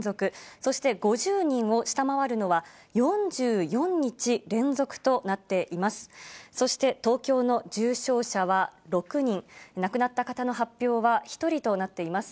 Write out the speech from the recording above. そして５０人を下回るのは４４日連続となっています。